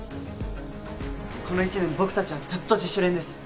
この１年僕たちはずっと自主練です。